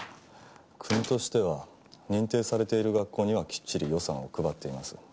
国としては認定されている学校にはきっちり予算を配っています。